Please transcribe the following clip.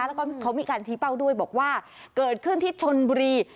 แล้วก็เขามีการชี้เป้าด้วยบอกว่าเกิดขึ้นที่ชนบุรี